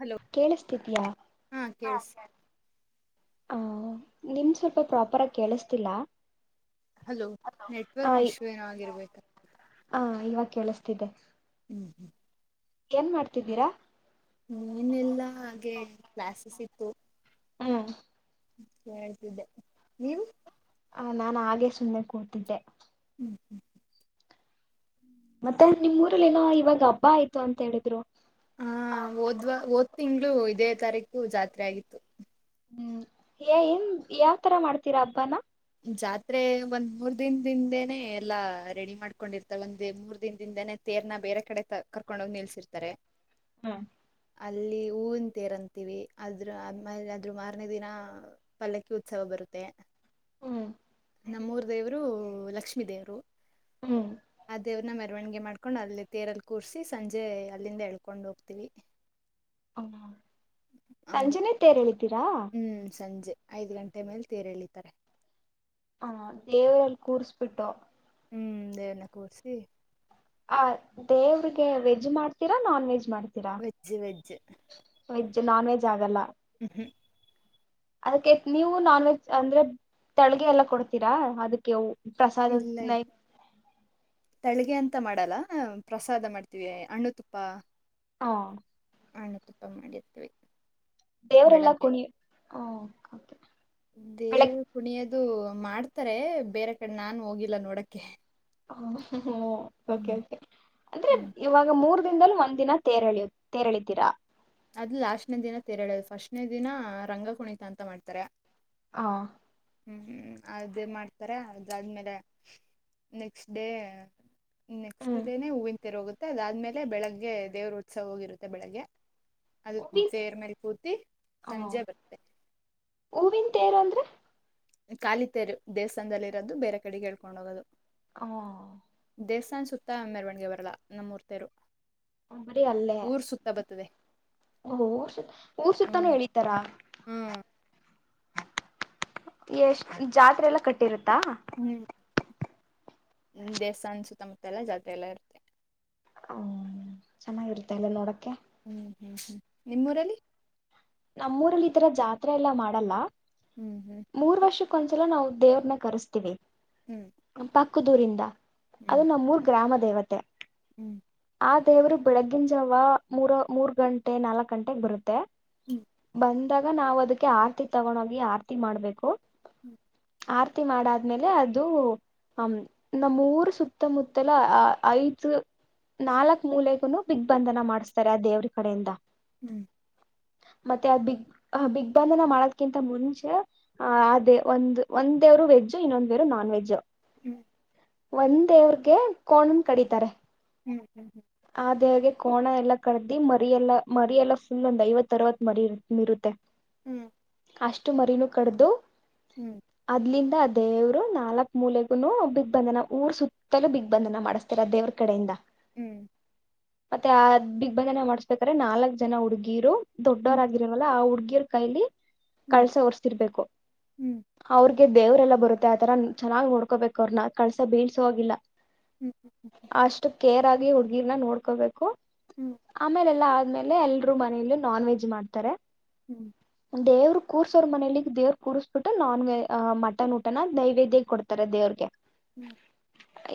Hello ಕೇಳಿಸತಿದಯಾ ಹಾ ಹ ಕೇಳ್ಸ ನಿಮ್ ಸ್ವಲ್ಪ ಪ್ರಾಪರ್ ಆಗಿ ಕೇಳಿಸತಿಲ್ಲ ಹಲೋ ನೆಟ್ವರ್ಕ್ ಇಶ್ಯೂ ಏನೋ ಆಗಿರ್ಬೇಕ ಹ ಇವಾಗ ಕೇಳಿಸ್ತಿದೆ ಹ್ಮ್ ಹ್ಮ್ ಏನ್ ಮಾಡ್ತಿದ್ದೀರಾ ನೀನೆಲ್ಲಾ ಹಾಗೆ ಕ್ಲಾಸಸ್ ಇತ್ತು ಹ್ಮ್ ಕೇಳ್ತಿದ್ದೆ ನೀವ್ ಹ ನಾನ್ ಹಾಗೆ ಸುಮ್ನೆ ಕೂತಿದ್ದೆ ಹ್ಮ್ ಹ್ಮ ಮತ್ತೆ ನಿಮ್ ಊರಲ್ಲಿ ಏನೋ ಇವಾಗ ಹಬ್ಬ ಆಯ್ತು ಅಂತ ಹೇಳಿದ್ರು ಹಾ ಓದ್ವಾ ಓದ್ ತಿಂಗ್ಗಳು ಇದೇ ತಾರೀಕು ಜಾತ್ರೆ ಆಗಿತ್ತು ಹ್ಮ್ ಯ ಏನ್ ಯಾವ್ ತರ ಮಾಡ್ತೀರಾ ಹಬ್ಬಾನ ಜಾತ್ರೆ ಒಂದ್ ಮೂರ್ ದಿನನ್ದಿಂದೇನೇ ಎಲ್ಲಾ ರೆಡಿ ಮಾಡ್ಕೊಂಡಿರ್ತಾರೆ ಒಂದ ಮೂರ್ ದಿನದಿಂದನೆೇ ತೇರ್ನ ಬೇರೆ ಕಡೆ ಕರ್ಕೊಂಡ ಹೋಗ್ ನಿಲ್ಸಿರ್ತಾರೆ ಹ್ಮ್ ಅಲ್ಲಿ ಹೂವಿನ ತೇರಂತೀವಿ ಅದ್ರ ಆಮೇಲೆ ಅದ್ರ ಮಾರನೇ ದಿನ ಪಲ್ಲಕ್ಕಿ ಉತ್ಸವ ಬರುತ್ತೆ ಹ್ಮ ನಮ್ಮೂರ್ ದೇವರು ಲಕ್ಷ್ಮೀ ದೇವರು ಹ್ಮ್ ಆ ದೇವ್ರನ ಮೆರವಣಿಗೆ ಮಾಡ್ಕೊಂಡ್ ಅಲ್ಲಿ ತೇರಲ್ಲಿ ಕೂರ್ಸಿ ಸಂಜೆ ಅಲ್ಲಿಂದ ಎಳ್ಕೊಂಡ್ ಹೋಗ್ತೀವಿ ಹ ಸಂಜೆನೇ ತೇರಳ ಹೂ ಸಂಜೆ ಐದು ಗಂಟೆ ಮೇಲೆ ತೇರು ಏಳಿತಾರೆ ಹಾ ದೇವರಲ್ಲಿ ಕೂರುಸುಬಿಟ್ಟು ಹ್ಮ ದೇವರನ ಕೂರಸಿ ಆ ದೇವರೀಗೆ ವೇಜ್ ಮಾಡ್ತಿರೋ non veg veg veg veg non veg ಆಗಲ್ಲ ಹ್ಮಂ ಹ್ಮಿ ಅದುಕ್ಕೆ ನೀವು ನಾನವೇಜ್‌ ಅಂದರೆ ತಳಗೆ ಎಲ್ಲಾ ಕೊಡ್ತಿರ ಅದುಕ್ಕೆ ಊ ಪ್ರಸಾದ ಇಲ್ಲ ನೈವೇದ್ಯ ತಳಿಗೆ ಅಂತ ಮಾಡಲ್ಲ ಪ್ರಸಾದ ಮಾಡ್ತಿವಿ ಹಣ್ಣು ತುಪ್ಪ ಒಂ ಹಣ್ಣು ತುಪ್ಪ ಮಾಡಿದ್ವಿ ದೇವರು ಎಲ್ಲ‌ ಕುಣಿ ಹ್ಮ ಓಕೆ ಬೆಳ ಅದು ಮಾಡ್ತಿರೆ ಬೇರೆ ಕಡೆ ನಾನು ಹೋಗಿಲ್ಲ ನೋಡೂಕೆ ಹ ಹ ಹ್ಮ ಓಕೆ ಓಕೆ ಅಂದ್ರೆ ಹ್ಮ್ ಈವಾಗ ಮೂರು ಮೂರು ದಿನದಲ್ಲಿ ಒಂದಿನ ತೆರ್ ತೆರ್ ಹೆಳಿತ್ತಿರ ಅದು ಲಾಸ್ಟನೇ ದಿನ ತೇರು ಹೇಳಿಯೋದು ಫ್ಟಸ್ಟನೇ ದಿನ ರಂಗ ಕುಣಿತ ಅಂತ ಮಾಡ್ತಾರೆ ಹ ಹ್ಮ ಅದೇ ಮಾಡ್ತಾರೆ ಅದು ಆದ್ಮೇಲೆ ನೇಷ್ಟ ಡೇ ನೆಷ್ಟ ಹ್ಮ್ ಡೇ ನೆ ಹೂವಿನ ತೇರು ಹೋಗುತ್ತೆ ಅದು ಆದ್ಮೇಲೆ ಬೆಳಗ್ಗೆ ದೇವರು ಉತ್ಸವ ಇರುತ್ತೆ ಬೇಳೆಗೆ ಅದು ಹೂವಿನ ತೇರು ಮೇ ಮೇಲೆ ಕೂತಿ ಹ ಸಂಜೆ ಬರ್ತಾದೆ ಹೂವಿನ ತೇರು ಅಂದ್ರೆ ಕಾಲಿ ತೇರು ದೇವಸ್ಥಾನದಲ್ಲಿ ಇರೋದು ಬೇರೆ ಕಡಿಗೆ ಎಳೆಕೋಂಡು ಹೋಗೋದು ಹೂಂ ದೇವಸ್ತಾನ ಸುತ್ತ ಮೇರವಣಿಗೆ ಬರಲ್ಲ ನಮ್ಮ ಊರು ತೇರು ಬರೀ ಅಲ್ಲೇ ಊರ್ ಸುತ್ತ ಬರುತ್ತದೆ ಓ ಶಟ್ ಊರು ಸುತ್ತನು ಹ್ಮ್ ಹೇಳಿತರ ಹ್ಮ್ ಎಷ್ಟು ಜಾತ್ರೆಯಲ್ಲಾ ಕಟ್ಟಿ ಇರು ತ್ತ ದೇವಸ್ತಾನ ಸುತ್ತ ಮುತ್ತ ಎಲ್ಲಾ ಜಾತ್ರೆ ಎಲ್ಲಾ ಇರುತ್ತೆ ಒ ಚೆನ್ನಾಗಿ ಇರುತ್ತೆ ಅಲ್ವಾ ನೋಡೋಕೆ ಹ್ಮ ಹ್ಮ ನಿಮ್ಮ ಊರಲ್ಲಿ ನಮ್ಮ ಊರಲ್ಲಿ ಈ ತರ ಜಾತ್ರೆ ಎಲ್ಲಾ ಮಾಡಲ್ಲ ಹ್ಮ ಹ್ಮ ಕ್ಕು ಒಂದು ಸಲ ನಾವು ದೇವರನ ಕರಸ್ತುವಿ ಹೇಳೀ ಪಕ್ಕದ ಊರಿಂದ ಅದು ನಮ್ಮೂರು ಗ್ರಾಮ ದೇ ದೇವತೆ. ಹ್ಮ. ಆ ದೇವರು ಬೆಳಗ್ಗಿನ ಜಾವ ಮೂರ ಮೂರ್ ಗಂಟೆ ಹ್ಮ್ ಹ್ಮ್ ಅಂದಾಗ ನಾವು ಅದಕ್ಕೆ ಆರ್ತಿ ತಗೊಂಡೋಗಿ ಆರ್ತಿ ಮಾಡಬೇಕು. ಹ್ಮ. ಆರ್ತಿ ಮಾಡಾದ್ಮೇಲೆ ಅದು ಹಮ್ ನಮ್ಮ ಊರು ಸುತ್ತಮುತ್ತಲ ಆ ಐದು ನಾಲಕ್ ಮೂಲೆಗೂನು ದಿಗ್ಬಂದನ ಮಾಡಿಸ್ತಾರೆ ಆ ದೇವರು ಕಡೆಯಿಂದ. ಹ್ಮ. ಮತ್ತೆ ಆ ದಿಗ್ ದಿಗ್ಬಂಧನ ಮಾಡೋದಕ್ಕಿಂತ ಮುಂಚೆ ಆ ದೇವ್ ಒಂದ್ ಒಂದು ದೇವ್ರು ವೆಜ್ಜು ಇನ್ನೊಂದೇವ್ರು ನಾನ್ ವೆಜ್ಜು. ಹ್ಮ್ ಒಂದ್ ದೇವರಿಗೆ ಕೋಣನ್ ಕಡಿತರೆ. ಹ್ಮ. ಅದ ಅದು ಕ್ವಾನಾ ಎಲ್ಲಾ ಕಡದು ಮರಿಯೆಲ್ಲ ಮರೆಯಲ್ಲಾ ಸುಮ್ ಒಂದ ಐವತ್ತ ಅರವತ್ತ ಮರಿ ಇರತ್ತೆ ಹ್ಮ್ ಅಷ್ಟು ಮರೀನು ಕಡ್ದು ಹ್ಮ್ ಅದ್ನಿಂದ ಆದ ದೇವರು ನಾಲಕ ಮೂಲೆಗೂನು ದಿಗ್ಬಂಧನ ಊರ ಸುತ್ತಲೂ ದಿಗ್ಬಂಧನ ಮಾಡಸ್ತಾರೆ ದೇವರ ಕಡೆ ಇಂದಾ ಹ್ಮ್ ಆ ದಿಗ್ಬಂಧನಾ ಮಾಡಬೇಕಾದ್ರೆ ನಾಲಕ ಜನಾ ಹುಡ್ಗೀರು ದೊಡ್ಡೋರ ಹ್ಮ್ ಆಗಿರಲ್ವಾ ಆ ಹುಡ್ಗೀರ [unintelligible] ಕಳಸಾ ಹೊರಸ್ತಿರಬೇಕು ಹ್ಮ್ ಅವ್ರಿಗೆ ದೇವ್ರ ಎಲ್ಲಾ ಬರತ್ತಾ ಆ ತರಾ ಚನಾಗ್ ನೋಡ್ಕೋಬೇಕ್ ಅವ್ನ ಕಳಸಾ ಬಿಳಸೊ ಹಾಗಿಲ್ಲಾ ಹ್ಮ್ ಅಷ್ಟ ಕೇರ್ ಆಗಿ ಹ್ಮ್ ಗೆಲ್ಲಾ ನೋಡ್ಕೋಬೇಕು ಹ್ಮ್ ಆಮೇಲ್ ಎಲ್ಲಾ ಆಮೇಲ್ ಎಲ್ಲರ ಮನೇಲು ನಾನ್ವೆಜ್ ಮಾಡ್ತಾರೆ ಹ್ಮ್ ದೇವ್ರ ಕುರ್ಸೋರ ಮನೇಲಿ ದೇವ್ರ ಕುರ್ಸ್ ಬಿಟ್ಟು ನಾನ್ವೆ ಮಟನ್ ಊಟಾನಾ ನೈವೇದ್ಯಕ ಕೊಡ್ತಾರೆ ದೇವ್ರಗೆ ಹ್ಮ್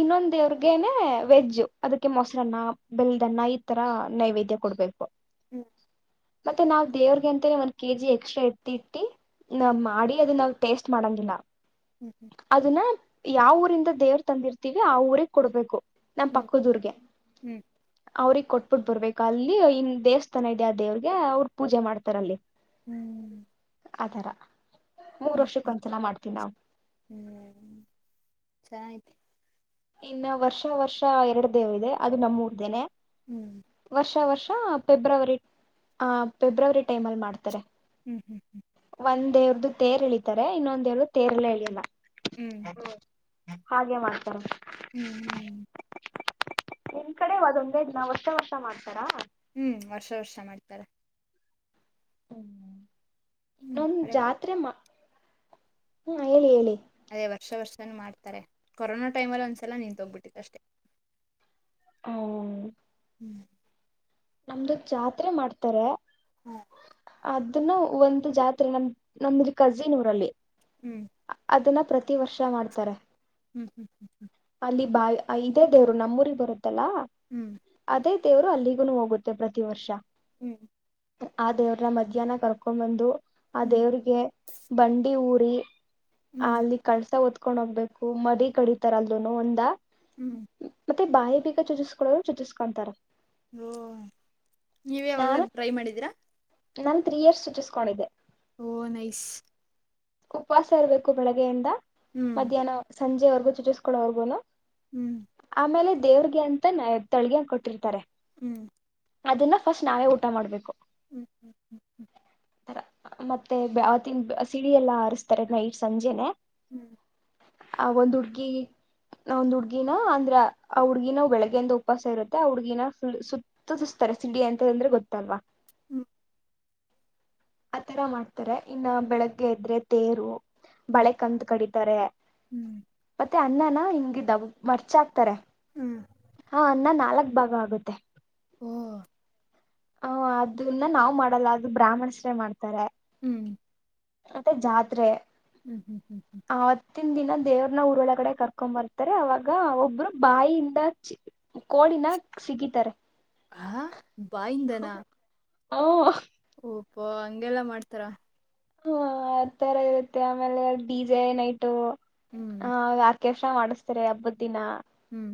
ಇನ್ನೊಂದ ತಿನ್ನೋವರಿಗೆ ನೇ ವೆಜ್ ಅದಕ್ಕೆ ಮೊಸರ್ ಚಿತ್ರಾನ್ನ ಬೆಲ್ಧನ್ನಾ ಈ ತರಾ ನೈವೇದ್ಯ ಕೊಡಬೇಕು ಹ್ಮ್ ಮತ್ತೆ ನಾವ್ ದೇವ್ರಿಗೆ ಅಂತಾನೇ ಒಂದ ಕೆಜಿ ಎಕ್ಸ್ಟ್ರಾ ಎತ್ತಿ ಇಟ್ಟಿ ನಾವ್ ಮಾಡಿ ಅದನ್ನಾ ಟೇಸ್ಟ್ ಮಾಡಂಗಿಲ್ಲ ಹ್ಮ್ ಹ್ಮ್ ಹ್ಮ್ ಅದನ್ನಾ ಯಾವ್ ಊರಿಂದ ತ ದೇವ್ರ ತಂದಿರ್ತಿವಿ ಆ ಊರಿಗ್ ಕೊಡಬೇಕು ನಮ್ ಹ್ಮ್ ಪಕ್ಕದ ಊರಿಗೆ ಹ್ಮ್ ಅವ್ರಿಗ್ ಕೋಟ್ ಕೊಟ್ಟಬಿಟ್ ಬರ್ಬೇಕು ಅಲ್ಲಿ ಹಿಂಗ್ ದೇವಸ್ಥಾನ ಇದೆ ಆ ದೇವ್ರಿಗೆ ಅವರ್ ಪೂಜೆ ಮಾಡ್ತಾರ್ ಅಲ್ಲಿ ಹ್ಮ್ ಆತರ ಮೂರು ವರ್ಷಕ್ಕೆ ಒಂದ್ಸತಿ ಮಾಡ್ತೀವಿ ನಾವು ಹ್ಮ್ ಚೆನ್ನಾಗಿತ್ ಇನ್ನ ವರ್ಷ ವರ್ಷ ಎರಡು ದೇವರಿದೇ ನಮ್ಮೂರಿದೇ ಹ್ಮ್ ವರ್ಷ ವರ್ಷ ಹ ಫೆಬ್ರವರಿ ಆಹ್ ಫೆಬ್ರವರಿ ಟೈಮಿನಲ್ಲಿ ಮಾಡ್ತಾರೆ. [inaudible] ಮುಂದೇನು ತೇಲ್ ಹೇಳಿದೆ ಇನ್ನೊಂದು ತೇಲ್ ಹೇಳಿಲ್ಲ ಹ್ಮ್ [inaudible] ಹಾಗೆ ಮಾಡ್ತಾರಾ ಹ್ಮ್ ನಿಮ್ ಕಡೆ ಅದೇ ಒಂದೇ ವರ್ಷ ವರ್ಷ ಮಾಡ್ತಾರ ಹ್ಮ್ ವರ್ಷ ವರ್ಷ ಮಾಡ್ತಾರೆ ಹ್ಮ್ ಹ್ಮ್ ಇದೊಂದು ಬರೀ ಜಾತ್ರೆ ಹ್ಮ್ ಹೇಳಿಹೇಳಿ ಅದೇ ವರ್ಷ ವರ್ಷನು ಮಾಡ್ತಾರೆ ಕರೋನಾ ಟೈಮ್ ನಲ್ಲಿ ಒಂದ್ಸಲಿ ನಿಂತೋಗ್ಬಿಟ್ಟೇತು ಅಷ್ಟೇ ಓಹ್ [inaudible] ನಮ್ದು ಜಾತ್ರೆ ಮಾಡ್ತಾರೆ ಹ್ಮ್ ಅದನ್ನು ಒಂದು ಜಾತ್ರೆ ನಮ ನಮ್ರ ಕಜಿನ್ ಊರಲ್ಲಿ ಹ್ಮ್ ಅದನ್ನ ಪ್ರತಿ ವರ್ಷ ಮಾಡ್ತಾರೆ ಹ್ಮ್ ಹ್ಮ್ ಹ್ ಹ್ ಅಲ್ಲಿ ಬಾಯ ಇದೇ ದೇವ್ರು ನಮ್ಮೂಊರಿಗೆ ಬರದ ತಲಾ ಹ್ಮ್ ಅದೇ ದೇವರು ಅಲ್ಲಿಗುೂ ಹೋಗುತ್ತೆ ಪ್ರತಿ ವರ್ಷ ಹ್ಮ್ ಆ ದೇವ್ರನ್ನ ಮಧ್ಯಾಹ್ನ ಕರ್ಕೊಂಡ್ ಬಂದು ಆ ಹ್ಮ್ ದೇವರಿಗೆ ಬಂಡಿ ಊರಿ ಆ ಹ್ಮ್ ಹ್ಮ್ ಅಲ್ಲಿ ಕಳಸಹೊತ್ತ ಕಕೊಂಡ್ ಹೋಗ್ಬೇಕು ಮದಿ ಕಡಿತಾರ ದನೋ ಒಂದ ಹ್ಮ್ ಮತ್ತೆ ಬಾಯಿ ಬೇಗ ಚುಚಿಸ್ಕೊಳ್ಳೋರು ಚುಚಿಸಕೊಂತಾರ ಹೋ ನೀವ ಅವಲ್ಲ ಟ್ರೈ ಮಾಡಿದೀರಾ ನಾನು ತ್ರೀ ಇಯರ್ಸ್ ಸೂಚಿಸ್ಕೊಂಡಿದ್ದೆ ಓ ನೈಸ್ ಉಪವಾಸ ಇರ್ಬೇಕು ಬೆಳಗ್ಗೆಯಿಂದ ಹ್ಮ್ ಮಧ್ಯಾಹ್ನ ಸಂಜೆವರ್ಗೂ ಚುಟಸ್ಕಳವರ್ಗೂನಾ ಹ್ಮ್ ಆಮೇಲೆ ದೇವ್ರಗೆ ಅಂತ ನ ತಳ್ಗೆ ಹ ಕೊಟ್ಟಿರ್ತಾರೆ ಹ್ಮ್ ಅದನ್ನ ಫಸ್ಟ್ ನಾವೇ ಊಟ ಮಾಡ್ಬೇಕು. ಹ್ಮ್ ಹ್ಮ್ ಹ್ಮ್ ಹ್ಮ್ ರ ಮತ್ತೆ ಇ ಎಲ್ಲ ಆರರಿಸ್ತಾರೆ ನೈಟ್ ಸಂಜೆನೆ ಹ್ಮ್ ಆ ಒಂದ್ ಹುಡ್ಗಿ ಒಂದು್ ಹುಡ್ಗಿನ ಅಂದ್ರ ಆ ಹುಡ್ಗಿನ ಬೆಳಗ್ಗೆಯಿಂದ ಉಪವಾಸ ಇತ್ತೆ ಆ ಹುಡ್ಗಿನುಲ್ ಸುತ್ತ ಸುಸ್ತಾರೆ ಸಿಡಿ ಅಂತಂದ್ರೆ ಗೊತ್ತಲ್ವಾ ಹ್ಮ್ ಆ ತರ ಮಾಡ್ತಾರೆ ಇನ್ನ ಬೆಳಗ್ಗೆ ಇದ್ರೆ ತೇರು ಬಳೆ ಕಂದ ಕಡಿತ ತರ ಹ್ಮ್ ಮತ್ತೆ ಅನ್ನನ ಹಿಂಗ ಇದ ಮರ್ಚ ಹಾಕ್ತಾರೆ ಹ್ಮ್ ಹಾ ಅನ್ನ ನಾಲ್ಕ್ ಭಾಗ ಆಗುತ್ತೆ ಹ ಹ ಅದನ್ನ ನಾವ್ ಮಾಡಲ್ಲ ಅದು ಬ್ರಾಹ್ಮಣಶ್ರ್ ಮಾಡ್ತಾರೆ ಹ್ಮ್ ಮತ್ತೆ ಜಾತ್ರೆ ಹೂಂ ಅಂದ್ರೆ ದೇವರು ನಾ ಅವರು ಒಳಗಡೆ ಕರ್ಕೊಂಡು ಬರ್ತಾರೆ ಆವಾಗ ಒಬ್ರು ಬಾಯಿಯಿಂದ ಕೊಲ್ ನಾ ಸಿಗಿತಾರೆ. ಬಾಯಿಂದಾನ [unintelligible] ಯಪ್ಪ ಅಂಗೆಲ್ಲ ಮಾಡ್ತಾರ. ಹಾ ಆತರ ಪ್ಲಾನ್ ಎಲ್ಲಾ ಬಿ ಜೋಯ್ನ್ ಆಯ್ತು ಹ್ಮ್ ಹೂಂ ಪ್ರಶ ಮಾಡಿಸ್ತಿರ ಯಾರ್ಬಿಟ್ಟಿನ ಹ್ಮ್ಮ್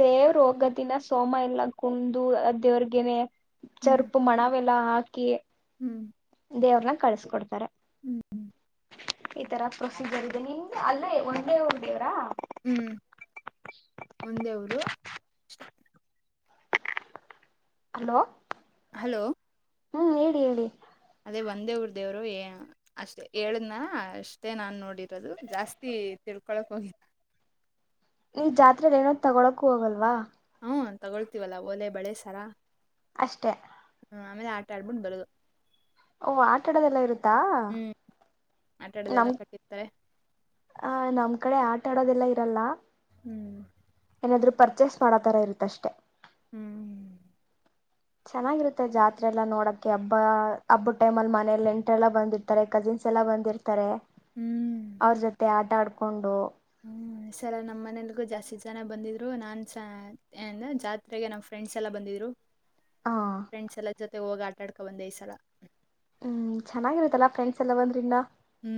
ದೇವರು ಹೋಗೋದನ್ನ ಸೋಮ ಎಲ್ಲಾ ಕುಂದು ಆ ದೇವರ್ಗೆನೆ. ಸರಿ ಮನೆಗೆ ಬಾಕಿ ಹ್ಮಮ್ ದೇವರ್ನ ಕಳಸಕೊಡ್ತಾರೆ. ಹ್ಮಮ್ ಇತರ ಪ್ರೋಸಿಜರ್ ಅಲ್ಲೇ ಒಂದೇ ಒಂದು ದೇವರಾ ಹ್ಮ್ ಒಂದೇ ಊರು ಹೆಲೋ ಹೆಲೋ ಹ್ಮ್ಮ್ ಹೇಳು ಹೇಳು. ಅಲ್ಲಿ ಒಂದೇ ಒಂದು ದೇವರು ಹೇಳ್ದ್ನ ಅಷ್ಟೇ ನಾನು ನೋಡಿರೋದು ಜಾಸ್ತಿ ತಿಳ್ಕೊಳಕ್ಕೆ ಹೋಗಿಲ್ಲ. ಏ ಜಾತ್ರೆಗೆ ಏನು ತೊಗೊಳಕ್ಕೆ ಹೊಗಲ್ವ. ಹ್ಮಮ್ ತೊಗೊಳ್ತಿವಲ್ಲ ಒಲೆ ಬಳೆ ಸರ ಅಷ್ಟೇ ಆಮೇಲ್ ಆಟ ಆಡಿಬಿಟ್ಟು ಬರದು ಓ ಆಟ ಆಡಿದಲೇ ಇರುತ್ತಾ ಹ್ಮ್ ಆಟ ನಮ್ ಆಡೋದೆಲ್ಲ ಕಟ್ಟಿರ್ತಾರೆ ನಮ್ ಕಡೆ ಆಟ ಆಡದಲ್ಲೇ ಇರಲ್ಲ ಹು ಏನಾದ್ರೂ ಪರ್ಚೇಸ್ ಮಾಡೋ ತರ ಇರುತ್ತೆ ಅಷ್ಟೇ ಹೂ ಚೆನ್ನಾಗಿರುತ್ತೆ ಜಾತ್ರೆ ಎಲ್ಲಾ ನೋಡೋಕೆ ಹಬ್ಬ ಟೈಮ್ ಗೆ ಮನೆ ನೆಂಟರಲ್ಲೇ ನೆಂಟರಸ್ ಎಲ್ಲಾ ಬಂದಿರುತ್ತಾರೆ ಕಸಿನ್ಸ್ ಎಲ್ಲಾ ಬಂದಿರುತ್ತಾರೆ ಹ್ಮ್ ಬಂದಿರುತ್ತಾರೆ ಅವರ ಜೊತೆ ಆಟ ಆಡಬಹುದ ಕೊಂಡು ಈ ಸಲ ನಮ್ಮನೆಗೆ ಜಾಸ್ತಿ ಜನ ಬಂದಿದ್ದರು ನಾನು ಜಾತ್ರೆಗೆ ನಮ್ ಫ್ರೆಂಡ್ಸ್ ಎಲ್ಲ ಬಂದಿದ್ರು ಹ ಫ್ರೆಂಡ್ಸ್ ಎಲ್ಲ ಜೊತೆ ಹೋಗ್ ಆಟ ಆಡ್ಕೊಂಡು ಬಂದೆ ಈ ಸಲ ಹೂ ಚೆನ್ನಾಗಿರುತ್ತಲ್ವಾ ಫ್ರೆಂಡ್ಸ್ ಎಲ್ಲಾ ಬಂದರೆ ಇನ್ನ ಹೂಂ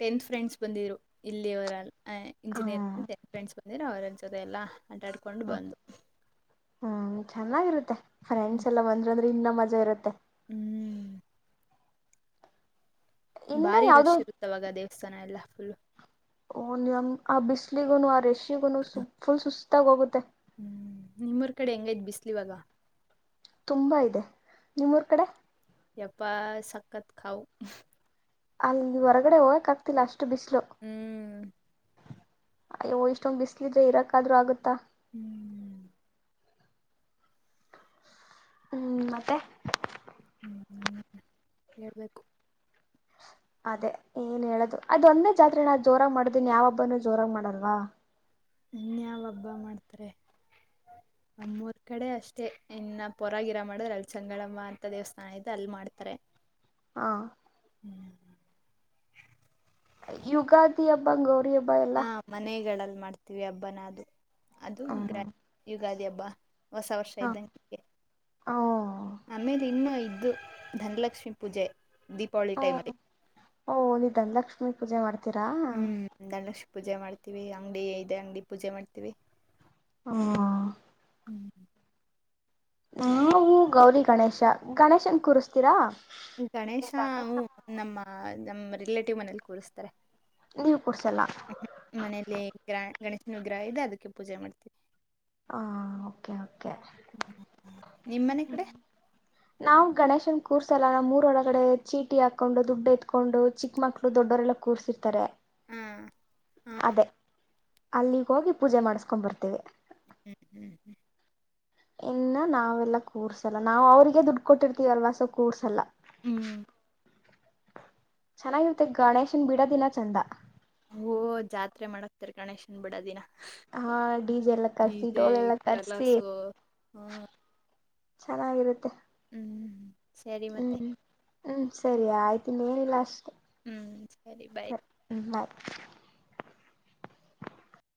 ಟೆಂತ್ ಫ್ರೆಂಡ್ಸ್ ಬಂದಿದ್ರು ಇಲ್ಲಿ ಅವರಲ್ಲ ಹ ಇಂಜಿನಿಯರ್ ಬೆಸ್ಟ್ ಫ್ರೆಂಡ್ಸ್ ಬಂದಿದ್ದರು ಎಲ್ಲಾ ಆಟ ಆಡಿಕೊಂಡು ಬಂದು ಹ್ಮ್ ಚೆನ್ನಾಗಿರುತ್ತೆ ಹ್ಮ್ ಫ್ರಂಡ್ಸ್ ಎಲ್ಲ ಬಂದ್ರಂದ ಇನ್ನ ಮಜಾ ಇರುತ್ತೆ ಹ್ಮ್ ಇನ್ನ ಬಾರಿ ಯಾವ್ದೋ ರಶ್ ಇರುತ್ತವಾಗ ದೇವಸ್ಥಾನ ಎಲ್ಲಾ ಸುಳ್ಳು [unintelligible] ಬಿಸ್ಲಿಗುನು ಆ ರಷ್ಟ [unintelligible] ತಗೋಗುತ್ತೆ ಹ್ಮ್ ನಿಮ್ಮರ್ ಕಡೆ ಹೆಂಗೈತ್ ಬಿಸ್ಲಿವಾಗ ತುಂಬಾ ಇದೆ ನಿಮ್ಮೂರ್ ಕಡೆ ಎಪ್ಪಾ ಸಕ್ಕತ್ ಕಾವ ಅಲ್ಲಿ ಹೊರಗಡೆ ಹೋಗಕ್ ಆಗ್ತಿಲ್ಲ ಅಷ್ಟು ಅಷ್ಟು ಬಿಸಲು ಹ್ಮ್ ಅಯ್ಯೋ ಇಷ್ಟೊಂಗ್ ಬಿಸ್ಲಿದ್ರೆ ಇರಕ್ಕದ್ರೂ ಆಗುತ್ತಾ ಹ್ಮ್ ಹ್ಮ್ ಮತ್ತೆ ಹ್ಮ್ ಹೇಳ್ಬೇಕು ಅದೇ ಏನ್ ಹೇಳೋದು ಅದೊಂದೇ ಜಾತ್ರೆ ನಾ ಜೋರಾಗಿ ಮಾಡೋದು, ಇನ್ಯಾವ ಹಬ್ಬನು ಜೋರಾಗಿ ಮಾಡಲ್ವಾ ಇನ್ ಯಾವ ಹಬ್ಬ ಮಾಡ್ತಾರೆ ನಮ್ಮೂರ ಕಡೆ ಅಷ್ಟೇ ಅಲ್ಲಿ ಪರ್ವಾಗಿರೋ ಮಾಡಿದ್ರೆ ಚೆಂಗಾಳಮ್ಮ ದೇವಸ್ಥಾನ ಅಲ್ಲಿ ಮಾಡ್ತಾರೆ ಹಾ ಹೂ ಯುಗಾದಿ ಹಬ್ಬ ಗೌರಿ ಹಬ್ಬ ಎಲ್ಲ ಹ ಮನೆಗಳಲ್ ಮಾಡ್ತೀವಿ ಹಬ್ಬನ ಅದು ಅದು ಹ [inaudible] ಯುಗಾದಿ ಹಬ್ಬ ಹೊಸ ವರ್ಷ ಇದ್ದಂಟಿಗೆ ಹ ಆಮೇಲ್ ಇನ್ನು ಇದ್ ಧನಲಕ್ಷ್ಮೀ ಪೂಜೆ ದೀಪಾವಳಿ ಟೈಮಲ್ಲಿ. ನೀ ಪೂಜೆ ಮಾಡು ತರಾ ಹ್ಮ್ ಧನಲಕ್ಷ್ಮಿ ಪೂಜೆ ಮಾಡ್ತೀವಿ ಅಂಗ್ಡಿ ಇದೆ ಅಂಗ್ಡಿ ಪೂಜೆ ಮಾಡ್ತೀವಿ ಹ ಹ್ಮ್ ನವು ಗೌರಿಗಣೇಶ ಗಣೇಶನ ಕುರಿಸ್ಥಿರ ಈ ಗಣೇಶ ಹ್ಮ್ ನಮ್ಮ ಹ ನಮ್ ರಿಲೇಟಿವ್ ಮನೇಲ್ ಕೂಡುಸ್ತಾರೆ. ನೀವ್ ಕೊಡ್ಸಲ್ಲ ಗಣೇಶನ್ ವಿಗ್ರಹ ಇದೆ ಅದಕ್ಕೆ ಪೂಜೆ ಮಾಡ್ತೀವಿ. ಹಾ ಹಬಬ್ಬಾ ನಿಮ್ ಮನೆ ಕಡೆ ನಾವ್ ಗಣೇಶ್ ನ್ ಕುರ್ಸೋಲ್ಲ ನಮ್ ಊರ್ಒಳ್ಗ್ ಚೀಟಿ ಅಕೊಂಡು ದುಡ್ದು ಎತ್ಕೊಂಡು ಚಿಕ್ಕಾಮಕ್ಳು ದೊಡ್ಡವರು ಕುರ್ಸಿರ್ತರೆ ಹ್ಮ್ ಅದೆ. ಅಲ್ಲಿಗೆ ಹೋಗಿ ಪೂಜೆ ಮಾಡ್ಸ್ಕೊಂಡ ಬರ್ತಿವಿ [unintelligible] ಇಲ್ಲಾ ನಾವ್ ಎಲ್ಲಾ ಕುರ್ಸಲ್ಲ ನಾವ್ ಅವ್ರಿಗೆ ದುಡ್ಡ ಕೊಟ್ಟಿರ್ತೀವಿ ಅಲ್ವಾ ಸೊ ಕುರ್ಸಲ್ ಹ್ಮ್ ಚನ್ನಾಗೇಯ್ತೆ ಗಣೇಶ ಬಿಡೋದ ಎಲ್ಲಾ ಚಂದಾ ಹೊ ಜಾತ್ರೆ ಮಾಡಿ ಹಾಕ್ತಾರೆ ಕಣೆ ಸುಮ್ಮ ಬಿಡ್ ಅದನ್ನ ಹ ಡಿಜೆ ಎಲ್ಲಾ ಕರ್ಸಿ ಡೊಳ್ ಎಲ್ಲಾ ಕರ್ಸಿ ಕಲರ್ಸು ಹ್ಮ್ ಚನ್ನಾಗಿ ಇರುತ್ತೆ ಹ್ಮ್ ಸರಿ ಮತ್ತೆ ಹ್ ಸರಿ ಆಯ್ತು ನೀನೆ ಲಾಸ್ ಹ್ ಸರಿ ಬೈ ಬಾಯ್